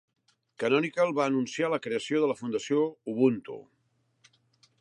Canonical va anunciar la creació de la Fundació Ubuntu